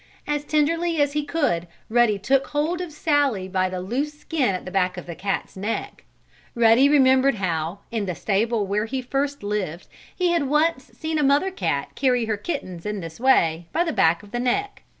As tenderly as he could Ruddy took hold of Sallie by the loose skin at the back of the cat's neck. Ruddy remembered how, in the stable where he first lived, he had once seen a mother cat carry her kittens in this way, by the back of the neck.